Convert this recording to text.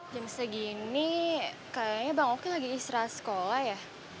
jam segini kayaknya bang oki lagi isra sekolah ya